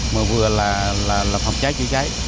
mà vừa là phòng cháy chữa cháy